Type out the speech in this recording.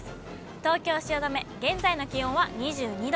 東京・汐留、現在の気温は２２度。